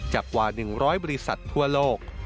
กว่า๑๐๐บริษัททั่วโลก